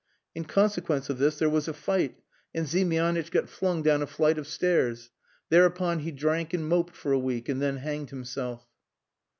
In consequence of this there was a fight, and Ziemianitch got flung down a flight of stairs. Thereupon he drank and moped for a week, and then hanged himself.